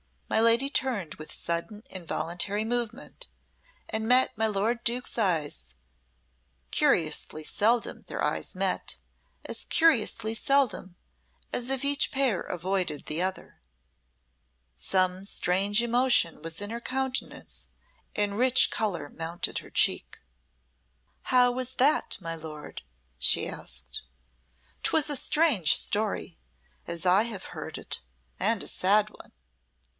My lady turned with sudden involuntary movement and met my lord Duke's eyes (curiously seldom their eyes met, as curiously seldom as if each pair avoided the other). Some strange emotion was in her countenance and rich colour mounted her cheek. "How was that, my lord?" she asked. "'Twas a strange story, as I have heard it and a sad one."